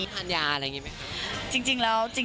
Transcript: ทานยาอะไรอย่างนี้ไหม